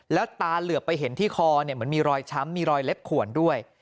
แล้วตาเหลือไปเห็นที่คอเหมือนมีรอยช้ำมีรอยเล็บขวนด้วย